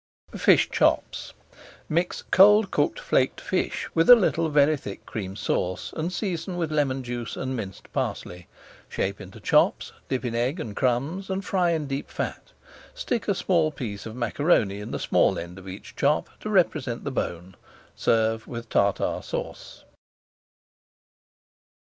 FISH CHOPS Mix cold cooked flaked fish with a little very thick Cream Sauce, and season with lemon juice and minced parsley. Shape into chops, dip in egg and crumbs, and fry in deep fat. Stick a small piece of [Page 458] macaroni in the small end of each chop to represent the bone. Serve with Tartar Sauce.